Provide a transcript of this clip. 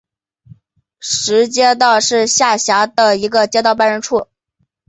石街道是下辖的一个街道办事处。